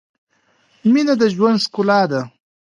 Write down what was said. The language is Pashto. مینه د ژوند ښلا ده